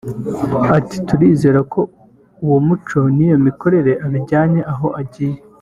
Ati “Turizera ko uwo muco niyo mikorere abijyanye aho agiye